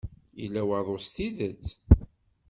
Yella waḍu s tidet.